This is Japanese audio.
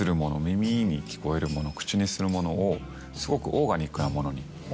耳に聞こえるもの口にするものをすごくオーガニックなものに。